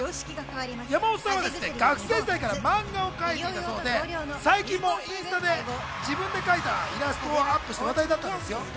山本さんは学生時代から漫画を描いていたそうで、最近もインスタで自分で描いたイラストをアップして話題になったんです。